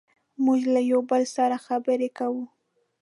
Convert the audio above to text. موږ له یو بل سره خبرې کوو.